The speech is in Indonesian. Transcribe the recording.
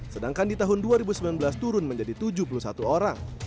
sedangkan di tahun dua ribu sembilan belas turun menjadi tujuh puluh satu orang